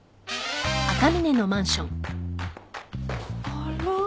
あら？